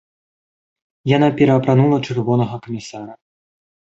Яна пераапранула чырвонага камісара.